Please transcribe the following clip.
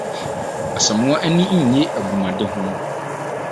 Asamoah ani nnye agumadi ho no.